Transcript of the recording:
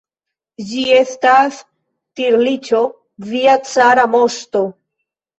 Ĝi estas tirliĉo, via cara moŝto!